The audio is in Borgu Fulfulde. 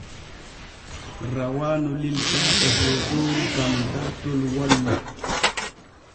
Rawaanu lildaa to hootooru gam dartot wolle.